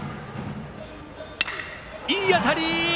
いい当たり！